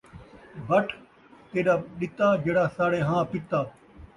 بٹھ تیݙا ݙتا، جیڑھا ساڑے ہاں پِتا